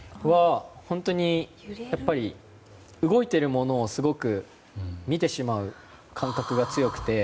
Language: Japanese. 動いているものをすごく見てしまう感覚が強くて。